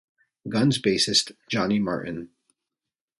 Guns bassist Johnny Martin.